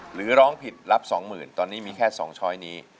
หรือร้องผิดรับสองหมื่นตอนนี้มีแค่สองช้อยนี้